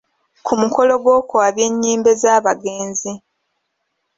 Ku mukolo gw'okwabya ennyimbe z'abagenzi